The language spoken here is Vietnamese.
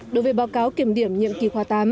đối với báo cáo kiểm điểm nhiệm kỳ khoa tám